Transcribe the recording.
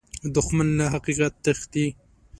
دښمن له حقیقت تښتي